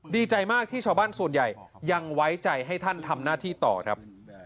ดีใจมากที่ชาวบ้านส่วนใหญ่ยังไว้ใจให้ท่านทำหน้าที่ต่อครับ